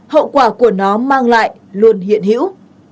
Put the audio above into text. hậu quả của nó mang lại luôn hiện hữu